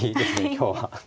今日は。